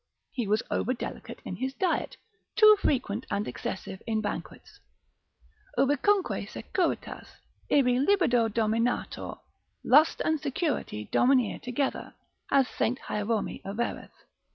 he was over delicate in his diet, too frequent and excessive in banquets, Ubicunque securitas, ibi libido dominatur; lust and security domineer together, as St. Hierome averreth.